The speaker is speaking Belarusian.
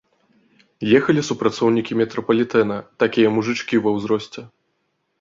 Ехалі супрацоўнікі метрапалітэна, такія мужычкі ва ўзросце.